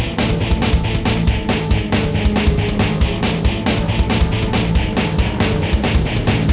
rejeki mah dari mana aja